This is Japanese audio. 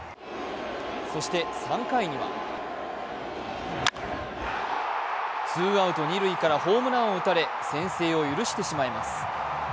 そして３回にはツーアウト二塁からホームランを打たれ先制を許してしまいます。